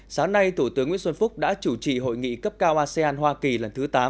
sáng nay thủ tướng nguyễn xuân phúc đã chủ trì hội nghị cấp cao asean hoa kỳ lần thứ tám